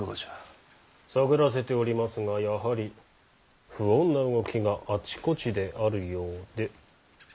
探らせておりますがやはり不穏な動きがあちこちであるようで。